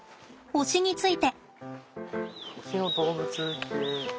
推しについて。